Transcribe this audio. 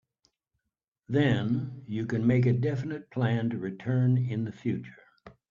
Then, you can make a definite plan to return in the future.